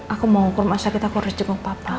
aku mau ukur masa kita kurus juga sama papa